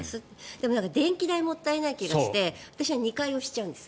でも、電気代もったいない気がして私は２回押しちゃうんです。